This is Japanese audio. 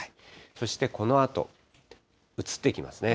そしてこのあと、移っていきますね。